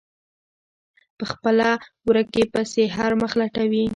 په خپله ورکې پسې هر مخ لټوي.